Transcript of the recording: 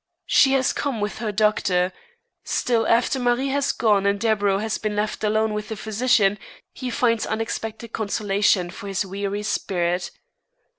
She has come with her doctor. Still, after Marie has gone and Deburau has been left alone with the physician, he finds unexpected consolation for his weary spirit.